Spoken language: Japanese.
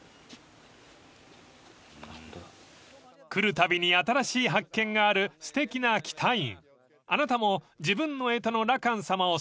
［来るたびに新しい発見があるすてきな喜多院］